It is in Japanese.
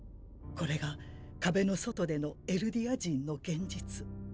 これが壁の外でのエルディア人の現実。